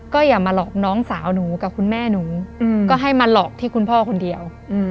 ก็อย่ามาหลอกน้องสาวหนูกับคุณแม่หนูก็ให้มาหลอกที่คุณพ่อคนเดียว